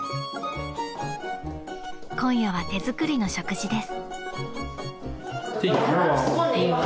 ［今夜は手作りの食事です］